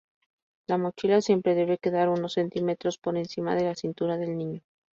La mochila siempre debe quedar unos centímetros por encima de la cintura del niño.